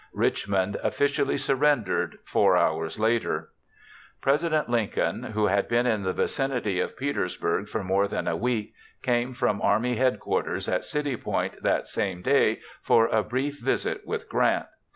Richmond officially surrendered 4 hours later. President Lincoln, who had been in the vicinity of Petersburg for more than a week, came from army headquarters at City Point that same day for a brief visit with Grant.